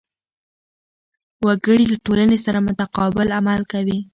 وګړي له ټولنې سره متقابل عمل کوي.